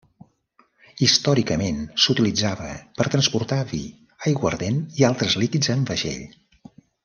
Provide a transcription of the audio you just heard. Històricament s'utilitzava per transportar vi, aiguardent i altres líquids en vaixell.